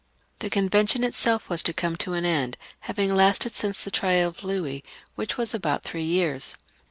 The Convention itself was to come to an end, having lasted since the trial of Louis, which was about three years.